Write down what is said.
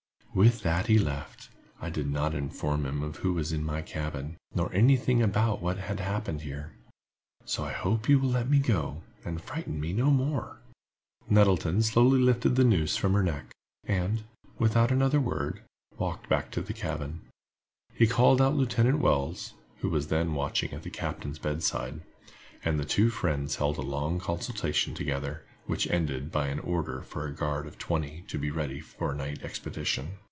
With that he left. I did not inform him of who was in my cabin, nor any thing about what had happened here. So I hope you will let me go, and frighten me no more." Nettleton slowly lifted the noose from her neck, and, without another word, walked back to the cabin. He called out Lieutenant Wells, who was then watching at the captain's bedside, and the two friends held a long consultation together, which ended by an order for a guard of twenty to be ready for a night expedition.